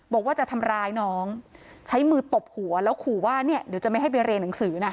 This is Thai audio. บอกว่าจะทำร้ายน้องใช้มือตบหัวแล้วขู่ว่าเนี่ยเดี๋ยวจะไม่ให้ไปเรียนหนังสือนะ